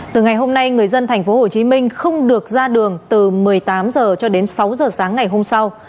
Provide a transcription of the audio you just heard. từ ngày hôm nay người dân tp hcm không được ra đường từ một mươi tám h cho đến sáu h sáng ngày hôm sau